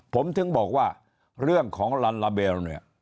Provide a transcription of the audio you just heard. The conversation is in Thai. ผมถึงบอกว่าเรื่องของลันลาเบล